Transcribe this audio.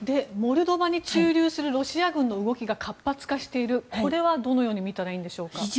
モルドバに駐留するロシア軍の動きが活発化しているこれはどのように見たらいいんでしょうか。